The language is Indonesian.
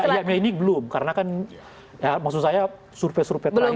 ya ini belum karena kan maksud saya survei survei terakhir